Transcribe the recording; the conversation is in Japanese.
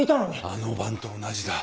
あの晩と同じだ。